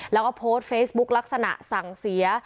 แล้วก็โพสต์เฟซบุ๊กลักษณะสั่งเสีย